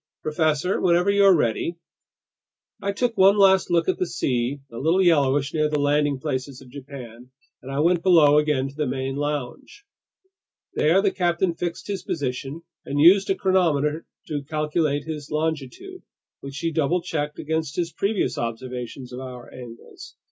"Professor, whenever you're ready. ..." I took one last look at the sea, a little yellowish near the landing places of Japan, and I went below again to the main lounge. There the captain fixed his position and used a chronometer to calculate his longitude, which he double checked against his previous observations of hour angles.